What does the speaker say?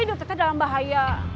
tunggu for satu jam ya pak